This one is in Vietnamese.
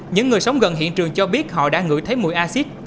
những người sống gần hiện trường cho biết họ đã ngửi thấy mùi acid